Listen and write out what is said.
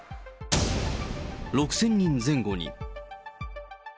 ６０００人前後に。